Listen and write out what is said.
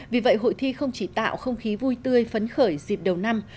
vì vậy hội thi không chỉ tạo không khí vui tươi phấn khởi dịp đầu năm